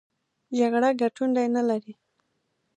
جګړه ګټندوی نه لري.